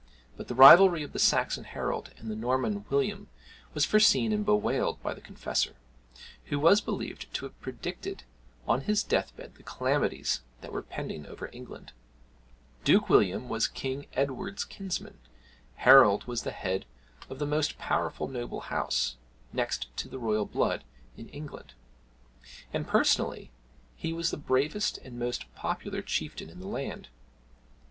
But the rivalry of the Saxon Harold and the Norman William was foreseen and bewailed by the Confessor, who was believed to have predicted on his death bed the calamities that were pending over England. Duke William was King Edward's kinsman. Harold was the head of the most powerful noble house, next to the royal blood, in England; and personally, he was the bravest and most popular chieftain in the land.